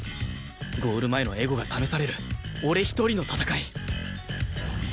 ゴール前のエゴが試される俺一人の戦い